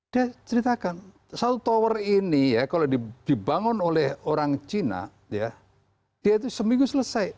dia ceritakan satu tower ini ya kalau dibangun oleh orang cina ya dia itu seminggu selesai